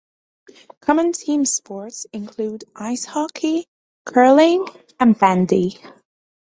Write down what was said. Common team sports include ice hockey, curling and bandy.